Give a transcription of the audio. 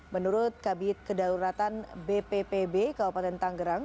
menurut kabit kedaulatan bppb kabupaten tanggerang